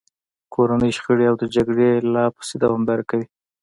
کورنۍ شخړې او جګړې لا پسې دوامداره کوي.